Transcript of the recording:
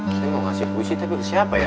saya mau ngasih puisi tapi ke siapa ya